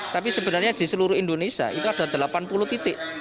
tapi sebenarnya di seluruh indonesia itu ada delapan puluh titik